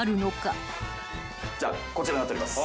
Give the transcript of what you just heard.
じゃこちらになっております。